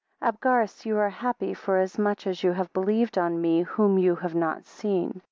ABGARUS, you are happy, forasmuch as you have believed on me, whom you have not seen.